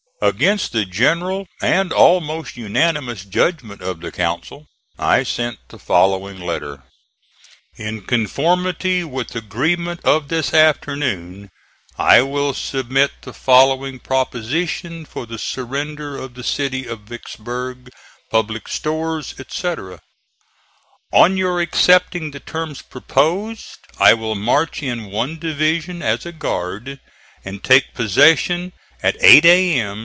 Against the general, and almost unanimous judgment of the council I sent the following letter: "In conformity with agreement of this afternoon, I will submit the following proposition for the surrender of the City of Vicksburg, public stores, etc. On your accepting the terms proposed, I will march in one division as a guard, and take possession at eight A.M.